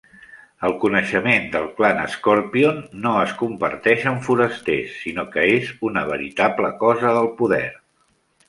El coneixement del clan Scorpion no es comparteix amb forasters, sinó que és una veritable cosa del poder.